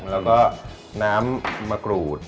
แล้วก็น้ำมะกรูด